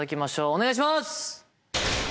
お願いします。